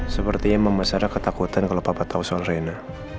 sepertinya mama sedang ketakutan kalau papa tahu soal reina